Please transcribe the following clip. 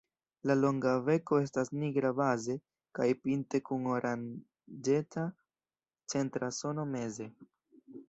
La longa beko estas nigra baze kaj pinte kun oranĝeca centra zono meze.